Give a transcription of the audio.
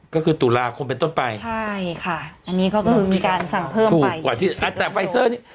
ก็คือตุลาคมเป็นต้นไปใช่ค่ะอันนี้ก็คือมีการสั่งเพิ่มไปกว่าที่อ่าแต่ไฟเซอร์นี้